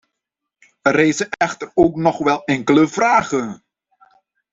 Er rijzen echter nog wel enkele vragen.